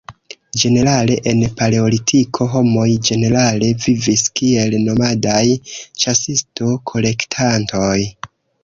Ĝenerale en Paleolitiko, homoj ĝenerale vivis kiel nomadaj ĉasisto-kolektantoj.